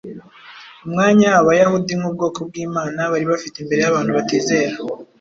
Umwanya Abayahudi nk’ubwoko bw’Imana bari bafite imbere y’abantu batizera